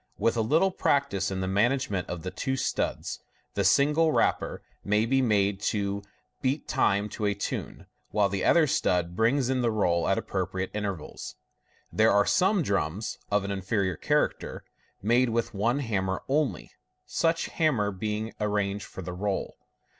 With a little practice in the management of the two studs, the single rapper may be made to beat time to a tune, while the other stud brings in the roll at appropriate intervals. There are some drums (of an inferior character) made with one hammer only ; such hammer being arranged for the roll.